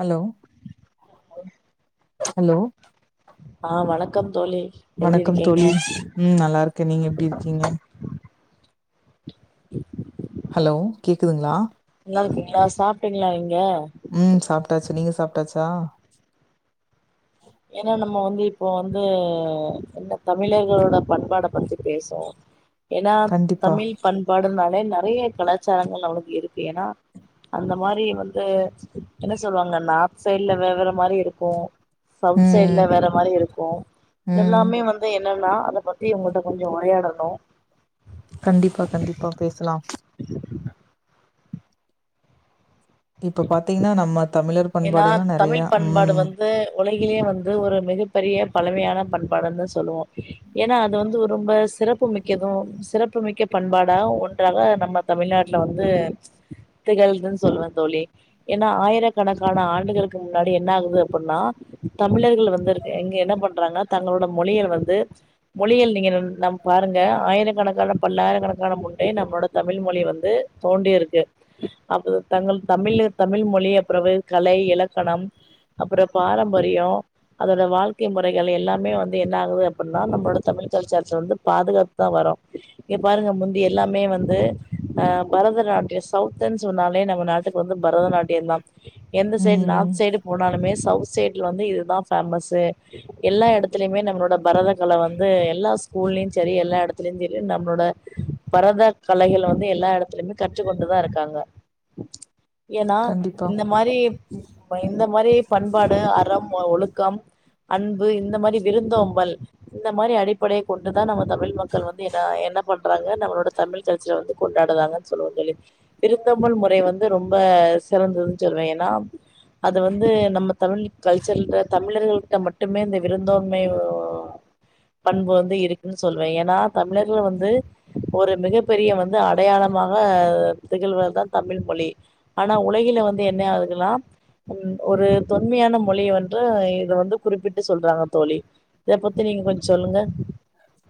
Hello hello ஆ வணக்கம் தோழி எப்டி வணக்கம் இருக்கீங்க தோழி ம் நல்லாருக்கே நீங்க எப்டி இருக்கீங்க ஹலோ கேக்குதுங்களா நில்லாருக்கீங்களா சாப்ட்டீங்களா இங்க உம் சாப்ட்டாச்சு நீங்க சாப்ட்டாச்சா என்ன நம்ம வந்து இப்போவந்து என்ன தமிழர்களோட பண்பாட பத்தி பேசோ என்னா கண்டிப்பா தமிழ் பண்பாடுன்னாலே நறைய கலாச்சாரங்கள் நமளுக்கு இருக்கு ஏன்னா அந்த மாரி வந்து என்ன சொல்லுவாங்க நார்த் சைட்ல வெவ்வற மாரி இருக்கூ சவுத் ம் சைட்லா வேற மாரி இருக்கூ ஓ ம் எல்லாமே வந் து என்னன்னா அத பத்தி உங்கள்ட்ட கொஞ்சொ உரையாடணு கண்டிப்பா கண்டிப்பா பேசலா இப்பொ பாத்தீங்கன்னா நம்மத் என்னா தமிழ்பண்பாடு வந்து உலகிலேவந்து ஒரு மிகப்பெரிய பழமையான பண்பாடுன்னு சொல்லுவோ என்னா அது வந்து ஒரு ரொம்ப சிறப்பு மிக்கது சிறப்புமிக்க பண்பாடா ஒன்றாக நம்ம தமிழ்நாட்ல்ல வந்து திகழ்துன் சொல்லுவ தோழி ஏன்னா ஆயிரக் கணக்கான ஆண்டுகளுக்கு முன்னாடி என்னாகுது அப்புன்னா தமிழர்கள் வந்துருக் இங்க என்ன பண்றாங்ன்னா தங்களோட மொழிய வந்து மொழியல் நீங்க நம் நம் பாருங்க ஆயிரக்கணக்கான பல்லாயிரக்கணக்கான முன்னே நம்ப்போட தமிழ்மொழி வந்து தோண்டியிருக்கு அப்பது தங்கள் தமிழ்ழு தமிழ் மொழிய ப்பிறவு கலை இலக்கணம் அப்பற பாரம்பரியொ அதோட வாழ்க்கைய முறைகள் எல்லாமே வந்து என்னாகுது அப்புன்னா நம்ப்போட தமிழ் கல்ச்சாரத்த வந்து பாதுகாப் த்தா வரோ ங்க பாருங்க முந்தி எல்லாமே வந்து அ பரதநாட்டிய சௌத்தன் சொன்னாலே நம்ம நாட் டுக் வந்து பரதநாட்டியந்தா எந்த செய்டு ம் நார்த் செய்டு போனாலுமே சவுத் செய்ட்ல வந்து இதுதா ஃபேமஸ்ஸு எல்லா எடத்துலயுமே நம்ப்போட பரதகல வந்து எல்லா ஸ்கூல்லியு சரி எல்லா எடத் திலியுஞ் செரி நம்ப்ளோட பரத கலைகளவந்து எல்லா எடத்துலையுமே கற்றுக்கொண்டுதா இருக்காங்க எனா கண்டிப்பா மாரிப் பயன் இந்தமாரி பண்பாடு அறம் ஒ ஒழுக்கம் அன்பு இந்த மாரி விருந்தோம்பல் இந்த மாரி அடிப்படையக் கொண்டுதா நம்ம தமிழ் மக்கள் வந்து என்னா என்ன பண்றாங்க நம்மளோட தமிழ் கல்ச்சர வந்து கொண்டாடுராங்க சொல்லுவோ தோழி விருந்தோம்பல் முறைய வந்துரொம்ப சிறந்ததுன் சொல்வே என்னா அது வந்து நம்ம தமிழ் கல்லாச்சர் தமிழர்கள்ட்ட மட்டுமே இந்த விருந்தோன்மை பண்பு வந்து இருக்குன் சொல்லுவே ஏன்னா தமிழர்கள் வந்து ஒரு மிகப் பெரிய வந்து அடையாளமாக திகழ்வத்தா தமிழ் மொழி ஆன உலகில வந்து என்ன ஆகுதுல்லாம் ம் ஒரு தொன்மையான மொழின்று இது வந்து குறிப்பிட்டு சொல்றாங்க தோழி இத பத்தி நீங்க கொஞ்ச சொல்லுங்க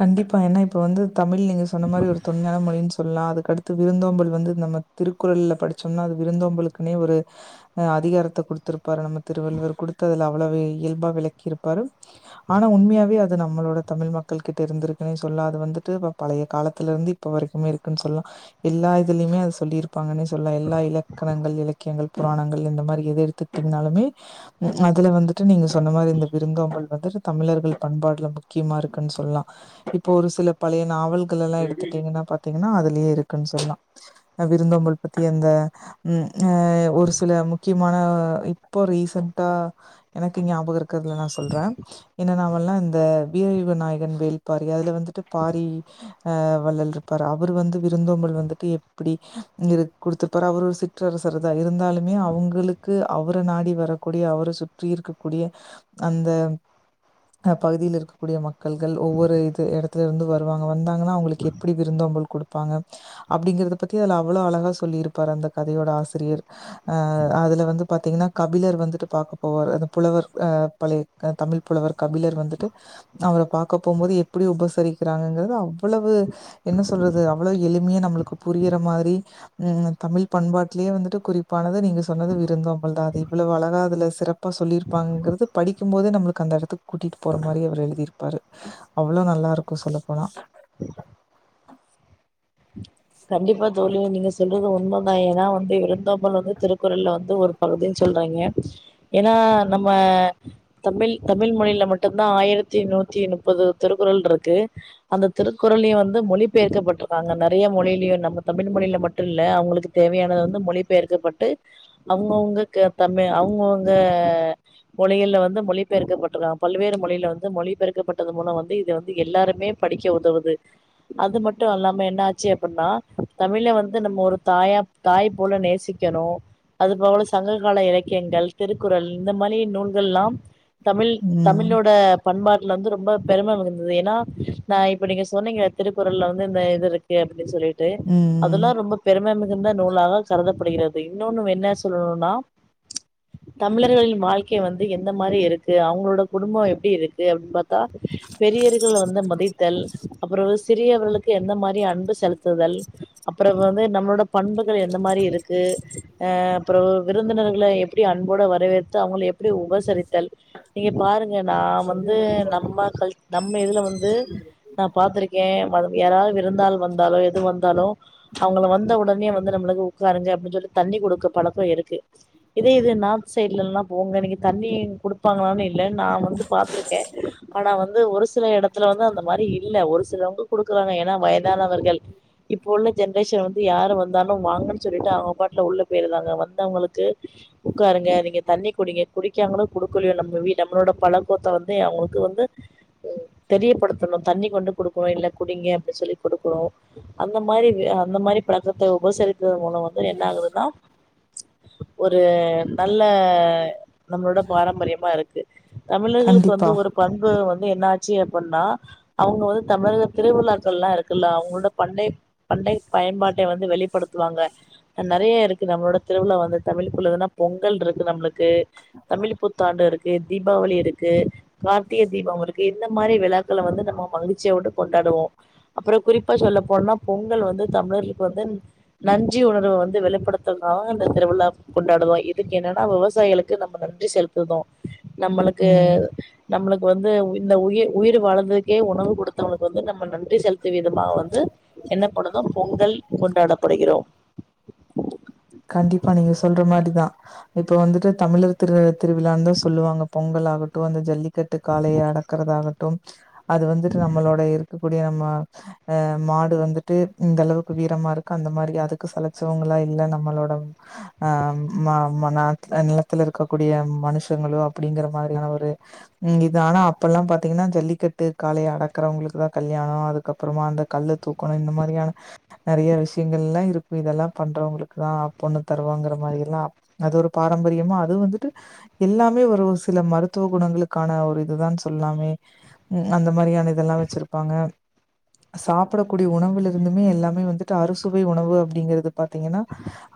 கண்டிப்பா ஏன்னா இப்ப வந்து தமிழ் நீங்க சொன்ன மாரி ஒரு தொண்மையான மொழின் சொல்லா அதுக்கடுத் து விருந்தோம்பல் வந்து நம்ம திருக்குறள்ல்ல படிச்சம்னா அது விருந்தோம்பலக்குனே ஒரு அ அதிகாரத்த குடுத்திருப்பாரு நம்ம திருவள்ளுவர் குடுத்து அதுல அவ்ளவு இயல்பா விளக்கிருப்பாரு ஆனா உண்மையாவே அது நம்மளோட தமிழ் மக்கள் கிட்ட இருந்திருக்குன்னே சொல்ல அது வந்துட்டு இப்ப பழைய காலத்துல இருந்து இப்ப வரைக்குமே இருக்குன் சொல்லா எல்லா இதுலயுமே அத சொல்லிருப்பாங்கன்னே சொல்ல எல்லா இலக்கணங்கள் இலக்கியங்கள் புராணங்கள் இந்த மாரி எத எடுத்துட் இருந்தாலுமே அதுல வந்துட்டு நீங்க சொன்ன மாரி இந்த விருந்தோம்பல் வந்துட்டு தமிழர்கள் பண்பாட்ல முக்கியமா இருக்குன் சொல்லா இப்போ ஒரு சில பழைய நாவல்கள் எல்லா எடுத்துட்டீங்கன்னா பாத்தீங்கன்னா அதுலே இருக்குன் சொல்லா அ விருந்தோம்பள் பத்தி அந்த ம் அ ஒரு சில முக்கியமான இப்போ ரீசன்டா எனக்கு ஞாபக இருக்குறதுல நா சொல்ற என்ன நாவல்ன்னா இந்த வீர வி விநாயகன் வேல் பாரி அதுல வந்துட்டு பாரி அ வள்ளல் இருப்பரு அவர் வந்து விருந்தோம்பல் வந்துட்டு எப்டி குடுத்துட்ப்பாரு அவர் ஒரு சி சுற்றரசர் தா இருந்தாலுமே அவுங்களுக்கு அவர நாடி வரக்கூடிய அவர சுற்றி இருக்க கூடிய அந்த பகுதியில் இருக்கக்கூடிய மக்கள்கள் ஒவ்வொரு இது இடத் துல இருந்து வருவாங்க வந்தாங்கன்னா அவுங்களுக் எப்டி விருந்தோம்பல் குடுத் துருப்பாங்க அப்டிங்கறத பத்தி அதுல அவ்ளோ அழகா சொல்லி இருப்பார் அந்த கதையோட ஆசிரியர் அ அதுல வந்து பார்த்தீங்ன்னா கபிலர் வந்துட்டு பார்க்க போவார் அந்த புலவர் அ பழைய தமிழ் புலவர் கபிலர் வந்துட்டு அவர பார்க்க போம்போது எப்டி உபசரிக்கிறாங்கங்கறது அவ்வளவு என்ன சொல்றது அவ்ளோ எளிமையா நம்மளுக்கு புரிற மாரி ம் தமிழ் பண்பாட்லேயே வந்துட்டு குறிப்பானது நீங்க சொன்னது விருந்துதோம்பல் தா அது இவ்வளவு அழகா அதுல சிறப்பா சொல்லிரு ப்பாங்கறது படிக்கும் போதே நம்மளுக்கு அந்த இடத்துக் கூட்டிட் போற மாரியே அவர் எழுதிருப்பாரு அவ்ளோ நல்லா இருக்கு சொல்ல போனா கண்டிப்பா தோழி நீங்க சொல்றது உண்மதா ஏன்னா வந்து விருந்தோம்பல் வந்து திருக்குறள் வந்து ஒரு வர்றதுன் சொல்றாங்க ஏன்னா நம்ம தமிழ் தமிழ் மொழியில மட்டுதா ஆயிரத்தி நூத்தி முப்பது திருக்குறள் இருக்கு அந்த திருக்குறள்ளையு வந்து மொழி பெயர்க்கப்பட்ருக்காங்க நறைய மொழி நம்ம தமிழ் மொழியில மட்டு இல்ல அவுங்களுக்கு தேவையானது வந்து மொழி பெயர்க்கப்பட்டு அவுங்கவுங்க க தமிழ் அவுங்கவுங்க மொழியில்ல வந்து மொழி பெயர்க்கப்பட்டருக்காங்க பல்வேறு மொழியில வந்து மொழி பெயர்க்கப்பட்டது மூலம் வந்து இது வந்து எல்லாருமே படிக்க உதவுது அது மட்டு அல்லாம என்னாச்சு அப்டின்னா தமிழ வந்து நம்ம ஒரு தாயா தாய் போல நேசிக்கனு அது போல சங்ககால இலக்கியங்கள் திருக்குறள் இந்த மாரி நூல்கள்லாம் தமிழ் ம். தமிழோட பண்பாட்டுல வந்து ரொம்ப பெரும மிகந்தது ஏன்னா ந இப்ப நீங்க சொன்னீங்க திருக்குறள்ல வந்து இந்த இது இருக்கு அப்டின் சொல்லிட்டு ம். அதெல்லா ரொம்ப பெரும மிகுந்த நூலாக கருதப்படுகிறது இன்னொன்னு என்ன சொல்லணுன்னா தமிழர்களின் வாழ்க்கை வந்து எந்த மாதிரி இருக்கு அவங்களோட குடும்பம் எப்படி இருக்கு அப்டின்னு பாத்தா பெரியர்கள் வந்து மதித்தல் அப்புறோ சிறியவர்களுக்கு எந்த மாதிரி அன்பு செலுத்துதல் அப்புறோ வந்து நம்மளோட பண்புகள் எந்த மாரி இருக்கு அ அப்புறோ விருந்தினர்கள எப்பிடி அன்போட வரவேத்து அவுங்கள எப்பிடி உபசரித்தல் நீங்க பாருங்க நா வந்து நம்ம கல் நம்ம இதுல வந்து நா பாத்துருக்கே வத யாராவது விருந்தால் வந்தாலு எது வந்தாலு அவங்கள வந்த ஒடனே வந்து நம்மளுக்கு உக்காருங்க அப்டின்னு சொல்லி தண்ணி குடுக்க பழக்கோ இருக்கு இதே இது நார்த் சைட்லல்லா போங்க நீங்க தண்ணி குடுப்பாங்களான்னு இல்ல நா வந்து பாத்துருக் கே ஆனா வந்து ஒரு சில எடத்துல வந்து அந்த மாரி இல்ல ஒரு சிலவங்க குடுக்குறாங்க ஏன்னா வயத் தானவர்கள் இப்ப உள்ள ஜென்ரேஷன் வந்து யாரு வந்தாலு வாங்கன்னு சொல்லிட்டு அவங்க பாட்டு உள்ள போயிருதாங்க வந்தவங்களுக்கு உக்காருங்க நீங்க தண்ணி குடிங்க குடிக்காங்களோ குடுக்கலுயோ நம்ம வீட்ட நம்மளோட பழக்கத்த வந்து அவங்களுக்கு வந்து தெரியப்படுத்தணு தண்ணி கொண்டு குடுக்கணு இல்ல குடிங்க அப்படின்னு சொல்லி குடுக்கணு அந்த மாரி அந்த மாரி பழக்கத்த உபசரி க்கற மூலம் வந்து என்னாகுறன்னா ஒரு நல்ல நம்ளோட பாரம்பரியமாருக்கு தமிழர்களுக்கு வந்து கண்டிப்பா. ஒரு பண்பு வந்து என்ன ஆச்சு அப்டின்னா அவுங்க வந்து தமிழக திருவிழாக்கள்லாருக் குல்ல அவுங்களோட பண்டை பண்டை பயன்பாட்டை வந்து வெளிப்படுத்துவாங்க அ நறையருக்கு நம்மளோட திருவிழா வந்து தமிழ்க்குள்ளதுன்னா பொங்கல் இருக்கு நம்ளுக்கு தமிழ் புத்தாண்டு இருக்கு தீபாவளி இருக்கு கார்த்திகை தீபம் இருக்கு இந்த மாரி விழாக்கள வந்து நம்ம மகிழ்ச்சியோட கொண்டாடுவோ அப்பறோ குறிப்பா சொல்ல போனா பொங்கல் வந்து தமிழர்களுக்கு வந்து நஞ்சி உணர்வ வந்து வெளிப்படுத்துக்காக இந்த திருவிழா கொண்டாடுவோ இதுக்கு என்னன்னா விவசாயிகளுக் கு நம்ம நன்றி செலுத்துதோ நம்மளுக்கு ம். நம்மளுக்கு வந்து இந்த உயிர் உயிர் வாழ்ந்ததுக்கே உணவு குடுத்தவங்களுக்கு வந்து நம்ம நன்றி செல் லுத்த விதமா வந்து என்ன பண்ணதோ பொங்கல் கொண்டாடப்படுகிறோ கண்டிப்பா நீங்க சொல்ற மாரி தா இப்ப வந்துட்டு தமிழர் திரு திருவிழான்னு தா சொல்லுவாங்க பொங்கலாகட்டு இந்த ஜல்லிக் கட்டு காளைய அடக்கறதாகட்டு அது வந்துட்டு நம்மளோட இருக்கக்கூடிய நம்ம அ மாடு வந்துட்டு இந்த அளவுக்கு வீரமாருக்கு அந்த மாரி அதுக்கு செலச்சவங்களா இல்லன்னா நம்மளோட அ மா நம்ம நாட்ல நிலத்துல இருக்கக்கூடிய மனுஷங்களோ அப்டிங்கிற மாரியான ஒரு நீங்க இதானா அப்பலா பாத்தீங்கன்னா ஜல்லிக்கட்டு காளைய அடக்கறவங்களுக்கு தா கல்யாணோ அதுக்கப்பறமா அந்த கல்லு தூக்கணு இந்த மாரியான நறைய விஷ்யங்கள்லா இருக்கு இதெல்லா பண்றவங்களுக்கு தா பொண்ணு தருவாங்கற மாரிலா அது ஒரு பாரம்பரியமா அது வந்துட்டு எல்லாமே ஒரு சில மருத்துவ குணங்களுக்கான ஒரு இதுதா சொல்லாமே ம் அந்த மாரியான இதெல்லா வச்சுருப்பாங்க சாப்புடக்கூடிய உணவுலருந்துமே எல்லாமே வந்துட்டு அறுசுவை உணவு அப்டிங்கறது பாத்தீங்கன்னா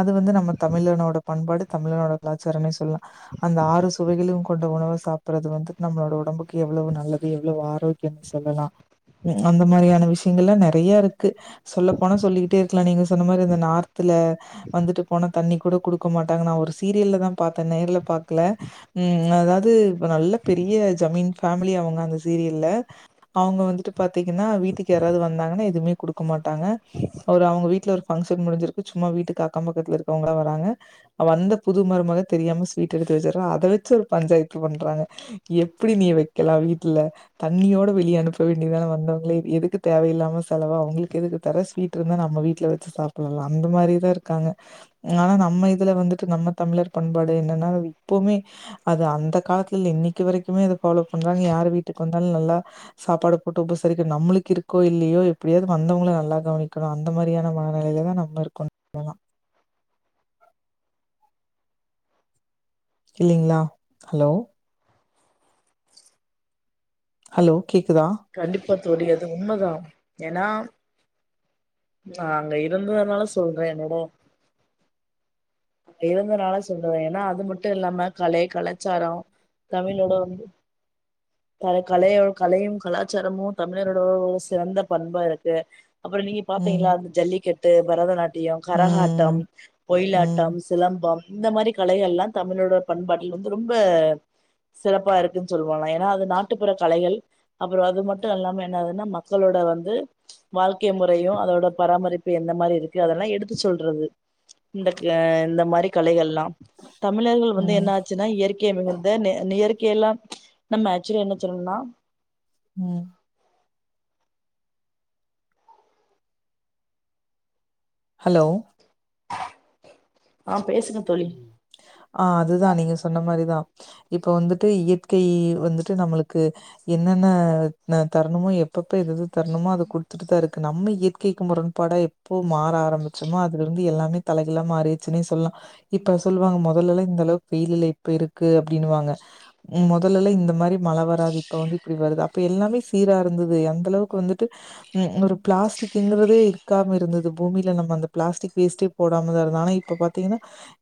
அது வந்து நம்ம தமிழனோட பண்பாடு தமிழனோட கலாச்சாரனே சொல்லலா அந்த ஆறு சுவைகளையு கொண்ட உணவ சாப்ட்றது வந்துட்டு நம்மளோட ஒடம்புக்கு எவ்ளோவு நல்லது எவ்ளோவு ஆரோக் கியம் சொல்லலா அந்த ம் மாரியான விஷ்யங்கள்லா நெறையருக்கு சொல்ல போனா சொல்லிட்டே இருக்கலா நீங்க சொன்ன மாரி இந்த நார்தல வந்துட்டு போன தண்ணி கூட குடுக்க மாட்டாங்க நா ஒரு சீரியல்லதா பாத்தே நேர்ல பாக்கல ம் அதாவ்து இப்ப நல்ல பெரிய ஜமீன் ஃபேமிலி அவுங்க அந்த சீரியல்ல அவுங்க வந்துட்டு பாத்தீங்கன்னா வீட்டுக்கு யாராவ்து வந்தாங்கன்னா எதுமே குடுக்க மாட்டாங்க ஒரு அவுங்க வீட்ல ஒரு ஃபங்க்ஷன் முடிஞ்சிருக்கு சும்மா வீட்டுக்கு அக்கம் பக்கத்துல இருக்றவ்ங்கல்ல வராங்க வந்த புது மருமக தெரியாம ஸ்வீட் எடுத்து வெச்சர்றா அத வெச்சு ஒரு பஞ்சாய்த்து பண்றாங்க எப்பிடி நீ வெக்கலா வீட்ல தண்ணியோட வெளிய அனுப்ப வேண்டியதான வந்தவங்கள எ எதுக்கு தேவயில்லாம செலவு அவுங்ளுக் எதுக்கு தர ஸ்வீட் ருந்தா நம் வீட்ல வெச்சு சாப்புட்லால்ல அந்த மாரி தா இருக் காங்க ஆனா நம்ம இதுல வந்துட்டு நம்ம தமிழர் பண்பாடு என்னனா அது இப்பவுமே அது அந்த காலத்துல இல்ல இன்னைக்கு வரைக்குமே அது ஃபாலோ பண்றாங்க யாரு வீட்டுக்கு வந்தாலு நல்லா சாப்பாடு போட்டு உபசரிக்கணு நம்மளுக் இருக்கோ இல்லியோ எப்டியாவ்து வந்தவங்கள நல்லா கவனிக்கணு அந்த மாரியான மனநிலைல தா நம் ம இருக்கோ வேணா இல்லைங்ளா ஹலோ ஹலோ கேக்குதா கண்டிப்பா தோழி அது உண்ம தா ஏனா நா அங்க இருந்ததுனால சொல்றே என்னோட அப்டி இருந்தத்னால சொல்ற ஏனா அது மட்டு இல்லாம கலை, கலாச்சாரோ தமிழோட வந்து பல கலையோ கலையு கலாச்சாரமு தமிழரோட ஒரு சிறந்த பண்பா இருக்கு அப்பறோ நீங்க ம், பாத்தீங்களா அந்த ஜல்லிக்கட் டு, பரதநாட்டியம், கரகாட்டம், ம், ஒயிலாட்டம் ம், சிலம்பம் இந்த மாரி கலைகள்லா தமிழோட பண்பாட்டில் வந்து ரொம்ப சிறப்பா இருக்குன் சொல்லுவாங்களா ஏனா அது நாட்டுப்புற கலைகள் அப்பறோ அது மட்டு இல்லாம என்னதுனா மக்களோட வந்து வாழ்க்கை முறையு அதோட பராமரிப்பு எந்த மாரி இருக்கு அதெல்லா எடுத்து சொல்றது இந்த கே இந்த மாரி கலைகள்லாம் தமிழர்கள் வந்து ம், என்னா ச்சின்னா இயற்கை மிகுந்த நெ இயற்கை எல்லா நம்ம ஆக்சுலி என்ன சொல்ணுன்னா சொல்லணோம்னா ம் ஹலோ ஆ பேசுங்க தோழி ஆ அதுதா நீங்க சொன்ன மாரிதா இப்ப வந்துட்டு இயற்கை வந்துட்டு நம்மளுக்கு என்னென்ன அ தரணுமோ எப்பப்ப எது எது தரணுமோ அத குடுத்துட்டு தா இருக்கு நம்ம இயற்கைக்கு முரண்பாடா எப்போ மாற ஆரம்பிச்சமோ அதுலருந்து எல்லாமே தலகீழா மாறிர்ச்சுன்னே சொல்லா இப்ப சொல்லுவாங்க மொதல்லல்லா இந்த அளவுக் வெயில் இல்ல இப்ப இருக்கு அப்டின்னுவாங்க மொதல்லல்லா இந்த மாரி மழ வராது இப்ப வந்து இப்பிடி வருது அப்ப எல்லாமே சீரா இருந்துது அந்தளவுக் வந்துட்டு ம் ஒரு பிளாஸ்டிக்கிங்கறதே இருக்காம இருந்தது பூமில நம்ம அந்த பிளாஸ்டிக் வேஸ்ட்டே போடாம தா இருந்தோ ஆனா இப்ப பாத்தீங்கன்னா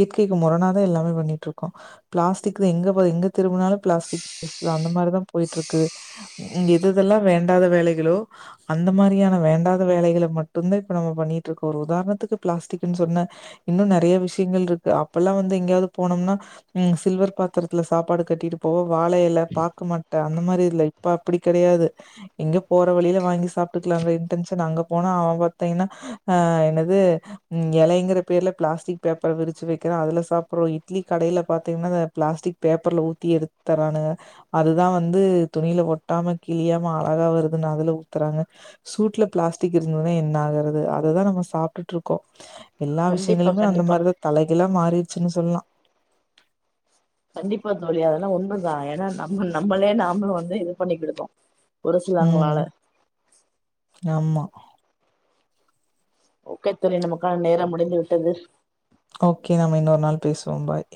இயற்கைக்கு முரணாதா எல்லாமே பண்ணிட்ருக்கோ பிளாஸ்டிக் தா எங்க ப எங்க திரும்புனாலு பிளாஸ்டிக் வேஸ்ட் தா அந்த மாரிதா போய்ட்ருக்கு ம் எது எதெல்லா வேண்டாத வேலைகளோ அந்த மாரியான வேண்டாத வேலைகள மட்டுந்தா இப்ப நாம பண்ணிட்ருக்கோ ஒரு உதாரணத்துக்கு பிளாஸ்டிக்குன் சொன்ன இன்னு நெறைய விஷ்யங்கள்ருக்கு அப்பல்லா வந்து எங்கயாவ்து போனம்னா ம் சில்வர் பாத்திரத்துல சாப்பாடு கட்டிட்டு போவோ வாழ எல, பாக்கு மட்ட அந்த மாரி இதுல இப்ப அப்பிடி கெடயாது எங்யோ போற வழில வாங்கி சாப்ட்டுக்கலாங்ற இன்டென்ஷன் அங்க போனா அவ பாத்தீங்கன்னா அ என்னது ம் எலைங்கிற பேர்ல பிளாஸ்டிக் பேப்பர் விரிச்சு வெ க்கறா அதுல சாப்புட்றோ இட்லி கடைல பாத்தீங்ன்னா அ பிளாஸ்டிக் பேப்பர்ல ஊத்தி எடுத் தரானுக அதுதா வந்து துணியில ஒட்டாம கிழியாம அழகா வருதுனு அதுல உத்துறாங்க சூட்ல பிளாஸ்டிக் இருந்ததுதா என்ன ஆகறது அததா நம்ம சாப்ட்டுட்டு இருக்கோ எல்லா கண்டிப்பா விஷயங்களுமே அந்த கண்டிப்பா மாரிதா தலைகீழ மாறிச்சுனு சொல்லலா கண்டிப்பா தோழி அதெல்லா உண்மதா ஏனா நம்ம நம்மளே நாமளு வந்து இது பண்ணிகிடுதோ ம் ஆமா ஓகே தோழி நமக்கான நேரம் முடிந்து விட்டது ஓகே நம்ம இன்னொரு நாள் பேசுவோம் பாய்